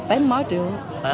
tếm mấy triệu